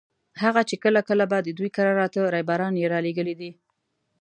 هغه چې کله کله به د دوی کره راته ريباران یې رالېږلي دي.